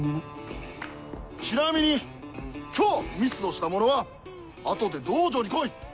ちなみに今日ミスをした者はあとで道場に来い！